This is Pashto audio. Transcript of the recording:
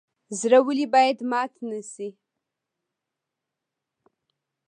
زړه ولې باید مات نشي؟